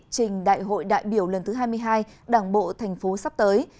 trình đại hội đại biểu lần thứ hai mươi hai đảng bộ tp sắp tới